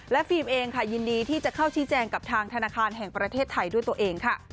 ฟิล์มเองค่ะยินดีที่จะเข้าชี้แจงกับทางธนาคารแห่งประเทศไทยด้วยตัวเองค่ะ